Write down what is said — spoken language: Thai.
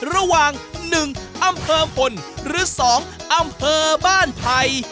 ระหว่างหนึ่งอำเผอมพลหรือสองอำเผอบ้านไทย